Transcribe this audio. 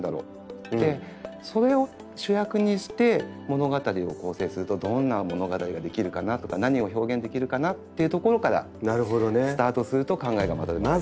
でそれを主役にして物語を構成するとどんな物語が出来るかなとか何を表現できるかなっていうところからスタートすると考えがまとまりやすい。